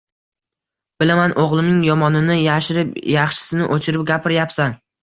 – Bilaman, o‘g‘limning yomonini yashirib, yaxshisini oshirib gapiryapsan